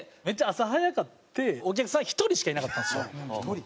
めっちゃ朝早かってお客さん１人しかいなかったんですよ。